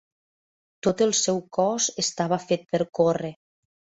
Tot el seu cos estava fet per córrer.